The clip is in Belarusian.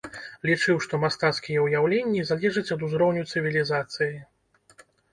Лічыў, што мастацкія ўяўленні залежаць ад узроўню цывілізацыі.